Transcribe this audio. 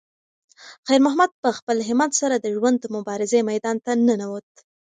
خیر محمد په خپل همت سره د ژوند د مبارزې میدان ته ننووت.